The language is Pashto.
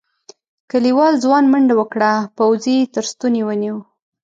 کليوال ځوان منډه وکړه پوځي یې تر ستوني ونيو.